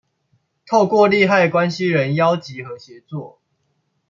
透過利害關係人邀集和協作